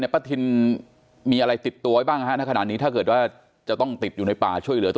ก็คงไม่มีอะไรนะบ้างครับเพราะว่าไปหาเห็ดปกติเขาก็ไม่มีแค่ที่ใส่เห็ดนะ